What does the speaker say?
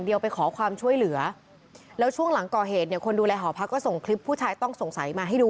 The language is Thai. เธอบอกวิ่งเลยค่ะ